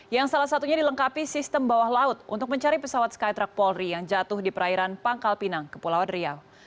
yang salah satunya dilengkapi sistem bawah laut untuk mencari pesawat skytruck polri yang jatuh di perairan pangkal pinang kepulauan riau